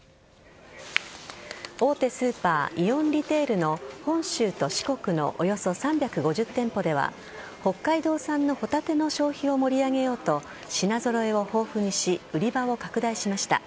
大手スーパー・イオンリテールの本州と四国のおよそ３５０店舗では北海道産のホタテの消費を盛り上げようと品揃えを豊富にし売り場を拡大しました。